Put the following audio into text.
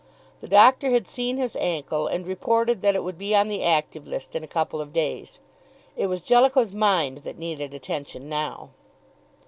The doctor had seen his ankle and reported that it would be on the active list in a couple of days. It was Jellicoe's mind that needed attention now.